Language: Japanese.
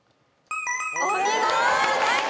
お見事！